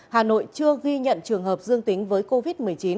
hà nội chưa ghi nhận trường hợp dương tính với covid một mươi chín